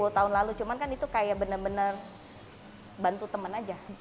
sepuluh tahun lalu cuman kan itu kayak bener bener bantu teman aja